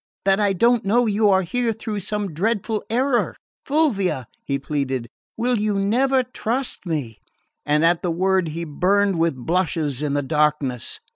That I don't know you are here through some dreadful error? Fulvia," he pleaded, "will you never trust me?" And at the word he burned with blushes in the darkness.